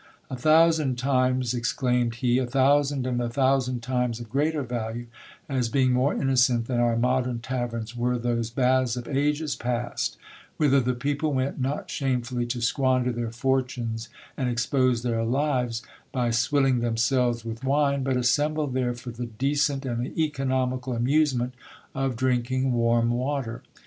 A thousand times, exclaimed he, a thousand and a thousand times of greater value, as being more innocent than our modern taverns, were those baths of ages past, whither the people went not shamefully to squander their fortunes and expose their lives, by swilling themselves with wine, but assembled there for the decent and economical amusement of drink ing warm water.